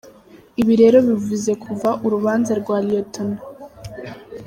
Ibi rero bivuze ko kuva urubanza rwa Lt.